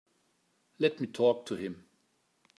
Let me talk to him.